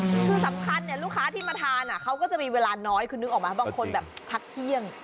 คือสำคัญเนี่ยลูกค้าที่มาทานเขาก็จะมีเวลาน้อยคือนึกออกไหมบางคนแบบพักเที่ยง